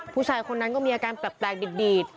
ผู้ชายคนนั้นก็มีอาการแปลกดีด